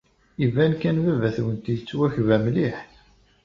Iban kan baba-twent yettwakba mliḥ.